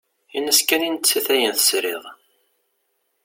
Ini-as kan i nettat ayen tesrid.